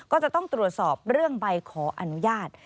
ก็จะต้องตรวจสอบเรื่องใบขออนุญาต